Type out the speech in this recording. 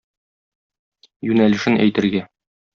Юнәлешен әйтергә.